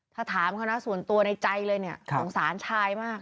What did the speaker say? ถ้าถามเขานะส่วนตัวในใจเลยเนี่ยสงสารชายมาก